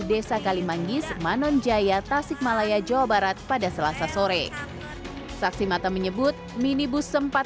desa kalimangis manonjaya tasik malaya jawa barat pada selasa sore saksi mata menyebut minibus sempat